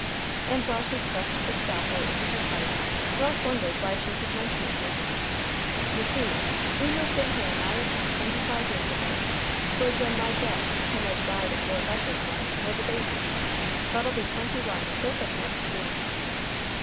And while she stuffed the tobacco into her pipe Ralph wondered why she should mention it to him. "You see, we moved in here nigh upon twenty five years ago. 'Twas when my Jack, him as died afore Bud was born, was a baby. Bud'll be twenty one the fif' of next June."